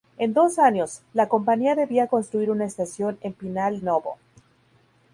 En dos años, la Compañía debía construir una estación en Pinhal Novo.